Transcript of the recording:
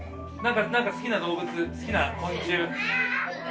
何か好きな動物好きな昆虫。